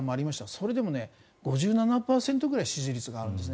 それでも５７％ぐらい支持率があるんですね。